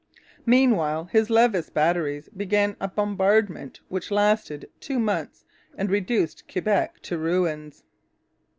Meanwhile his Levis batteries began a bombardment which lasted two months and reduced Quebec to ruins.